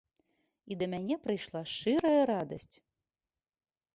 І да мяне прыйшла шчырая радасць.